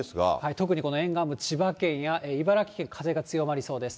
特にこの沿岸部、千葉県や茨城県、風が強まりそうです。